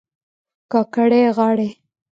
کاکړۍ غاړي